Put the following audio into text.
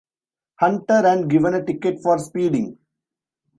Hunter and given a ticket for speeding.